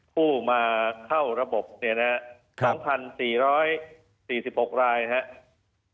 ผู้มาเข้าระบบเนี่ยนะ๒๔๔๖รายนะครับ